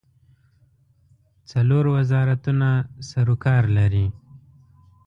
څلور وزارتونه سروکار لري.